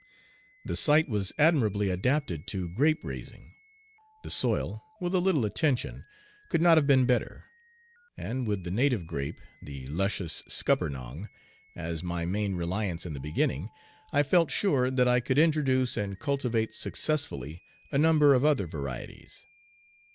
The site was admirably adapted to grape raising; the soil, with a little attention, could not have been better; and with the native grape, the luscious scuppernong, as my main reliance in the beginning, I felt sure that I could introduce and cultivate successfully a number of other varieties.